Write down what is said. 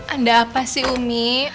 ada apa sih umi